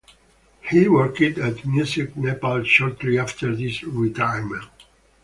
He worked at Music Nepal shortly after his retirement.